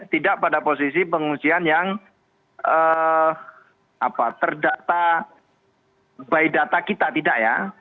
tidak pada posisi pengungsian yang terdata by data kita tidak ya